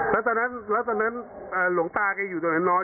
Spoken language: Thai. แล้วตอนนั้นแล้วตอนนั้นหลวงตาแกอยู่ตรงนั้นนอน